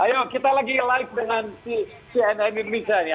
ayo kita lagi live dengan si nm indonesia nih